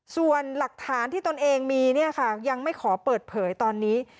ส่วนหลักฐานที่ตนเองมีเนี่ยค่ะยังไม่ขอเปิดเผยตอนนี้